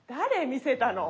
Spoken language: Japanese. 見せたの。